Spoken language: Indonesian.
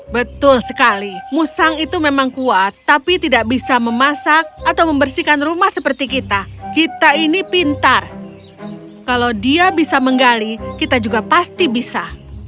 betul sekali musang itu memang kuat tapi tidak bisa memasak atau membersihkan rumah seperti kita kita ini pintar kalau dia bisa menggali kita juga pasti bisa